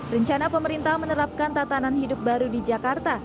rencana pemerintah menerapkan tatanan hidup baru di jakarta